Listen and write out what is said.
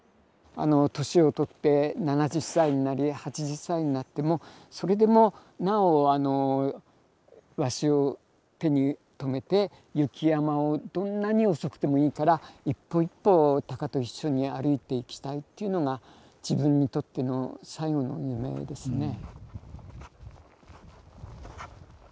年をとって７０歳になり８０歳になってもそれでもなおワシを手に止めて雪山をどんなに遅くてもいいから一歩一歩タカと一緒に歩いていきたいっていうのが自分にとっての最後の夢ですね。